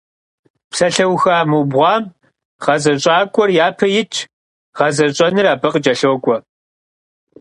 Псалъэуха мыубгъуам гъэзэщӏакӏуэр япэ итщ, гъэзэщӏэныр абы къыкӏэлъокӏуэ.